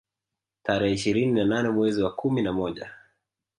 Tarehe ishirini na nane mwezi wa kumi na moja